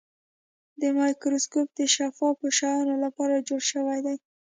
دا مایکروسکوپ د شفافو شیانو لپاره جوړ شوی دی.